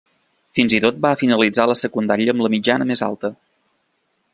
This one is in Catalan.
Fins i tot va finalitzar la secundària amb la mitjana més alt.